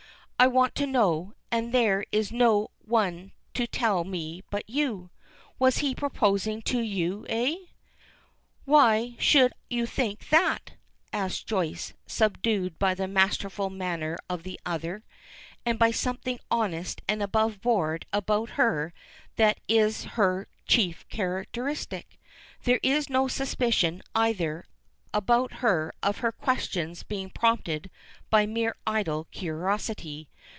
I want to know, and there is no one to tell me but you. Was he proposing to you, eh?" "Why should you think that?" says Joyce, subdued by the masterful manner of the other, and by something honest and above board about her that is her chief characteristic. There is no suspicion, either, about her of her questions being prompted by mere idle curiosity.